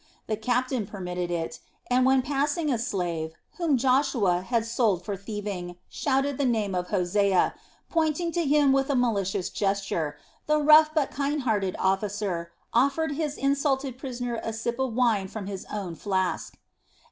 The captain permitted it, and when a passing slave, whom Joshua had sold for thieving, shouted the name of Hosea, pointing to him with a malicious gesture, the rough but kind hearted officer offered his insulted prisoner a sip of wine from his own flask.